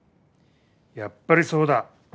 やっぱりそうだ。